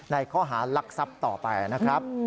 ข้อหารักทรัพย์ต่อไปนะครับ